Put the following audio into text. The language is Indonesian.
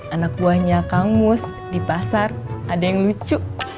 anak buahnya kang mus di pasar ada yang lucu